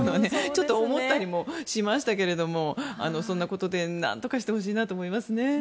ちょっと思ったりもしましたがそんなことでなんとかしてほしいなと思いますね。